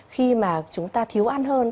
khi mà chúng ta thiếu ăn hơn